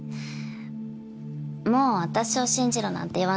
もう私を信じろなんて言わないわ。